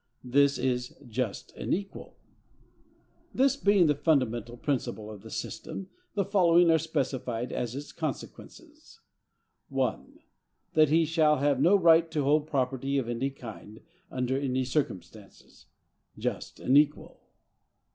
—This is "just and equal!" This being the fundamental principle of the system, the following are specified as its consequences: 1. That he shall have no right to hold property of any kind, under any circumstances.—Just and equal!